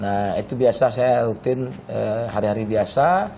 nah itu biasa saya rutin hari hari biasa